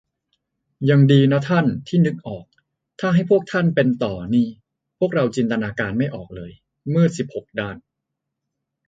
ยังดีนะท่าน ที่นึกออก ถ้าให้พวกท่านเป็นต่อนี่ พวกเราจินตนาการไม่ออกเลย มืดสิบหกด้าน